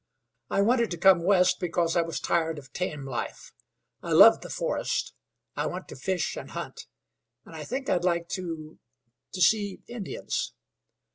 "I wanted to come West because I was tired of tame life. I love the forest; I want to fish and hunt; and I think I'd like to to see Indians."